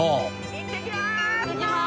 いってきます。